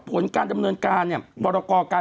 ผลการดำเนินการเนี่ยบรกรการ